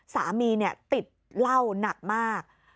สามีติดเหล้าหนักมาก